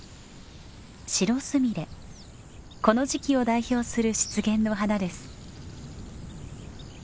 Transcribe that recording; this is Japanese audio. この時期を代表する湿原の花です。